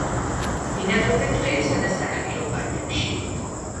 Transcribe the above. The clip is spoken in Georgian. ბინადრობენ ტყეებსა და სანაპირო ბარდებში.